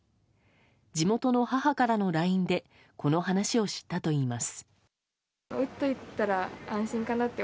地元の母からのＬＩＮＥでこの話を知ったといいます。